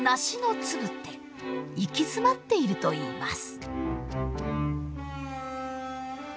行き詰まっているといいます。